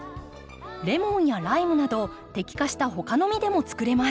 レモンやライムなど摘果した他の実でも作れます。